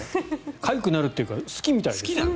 かゆくなるっていうか好きみたいです。